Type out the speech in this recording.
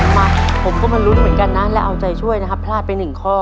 มาผมก็มาลุ้นเหมือนกันนะนะและเอาใจช่วยนะฮะพลาดไป๑ข้อ